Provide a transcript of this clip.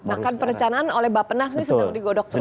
nah kan perencanaan oleh bapak nas ini sedang digodok terus